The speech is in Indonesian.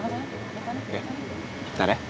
oke ntar ya